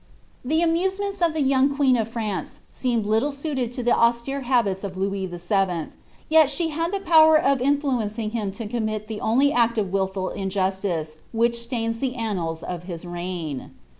The amusements of the young queen of France seemed little suited to the austere habits of Louis VII. ; yet she had the power of influencing him to commit the only act of wUnil injustice which stains the annals of his reign.